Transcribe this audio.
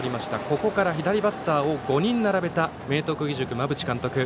ここから左バッターを５人並べた明徳義塾、馬淵監督。